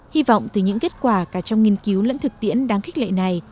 hy vọng từ những kết quả cả trong nghiên cứu lẫn thực tiễn đáng khích lệ này